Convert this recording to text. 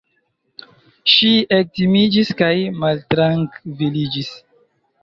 Ŝi ektimiĝis kaj maltrankviliĝis.